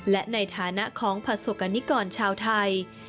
และในฐานะของผสกนิกรชาวไทย